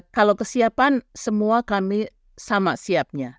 kalau kesiapan semua kami sama siapnya